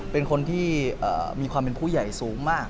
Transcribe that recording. เป็นคนที่มีความเป็นผู้ใหญ่สูงมาก